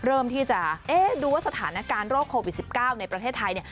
เริ่มที่จะเอ๊ะดูว่าสถานการณ์โรคโควิด๑๙ในประเทศไทยเนี่ย